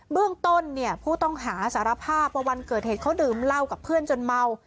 เบื้องต้นเนี่ยผู้ต้องหาสารภาพว่าวันเกิดเหตุเขาดื่มเหล้ากับเพื่อนจนเมา